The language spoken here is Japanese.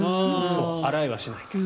洗えはしないけど。